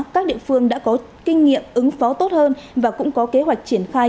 các địa phương đã có kinh nghiệm ứng phó tốt hơn và cũng có kế hoạch triển khai